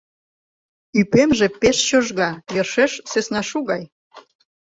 Ӱпемже пеш чожга, йӧршеш сӧснашу гай.